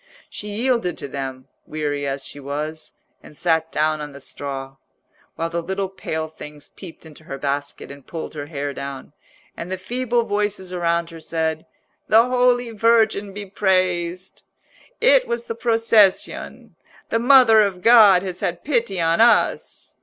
She yielded to them, weary as she was, and sat down on the straw, while the little pale things peeped into her basket and pulled her hair down, and the feeble voices around her said, "The Holy Virgin be praised!" "It was the procession!" "The Mother of God has had pity on us!"